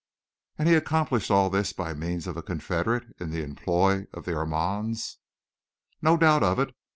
"And he accomplished all this by means of a confederate in the employ of the Armands?" "No doubt of it.